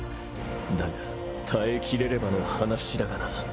だが耐えきれればの話だがな。